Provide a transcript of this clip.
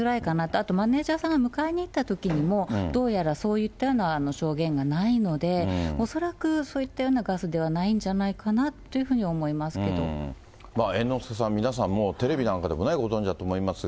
あとマネージャーさんが迎えに行ったときにも、どうやらそういったような証言がないので、恐らくそういったようなガスではないんじゃないかなというふうに猿之助さん、皆さんもうテレビなんかでもご存じだと思いますが。